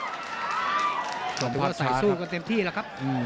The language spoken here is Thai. จงภาพช้าครับแต่ว่าใส่สู้กันเต็มที่แล้วครับอืม